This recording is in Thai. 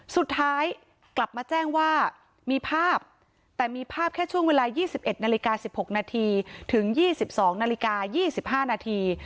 สุดท้ายกลับมาแจ้งว่ามีภาพแต่มีภาพแค่ช่วงเวลา๒๑นาฬิกา๑๖นาทีถึง๒๒นาฬิกา๒๕นาที